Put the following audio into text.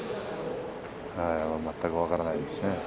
全く分からないですね。